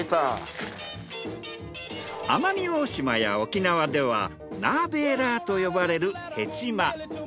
奄美大島や沖縄ではナーベーラーと呼ばれるヘチマ。